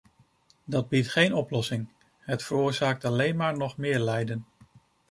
Dat biedt geen oplossing – het veroorzaakt alleen maar nog meer lijden.